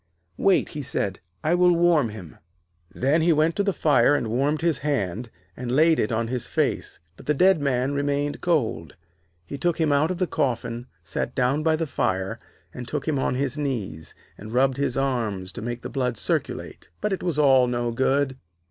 'Wait,' he said; 'I will warm him.' Then he went to the fire and warmed his hand, and laid it on his face, but the dead man remained cold. He took him out of the coffin, sat down by the fire, and took him on his knees, and rubbed his arms to make the blood circulate. But it was all no good.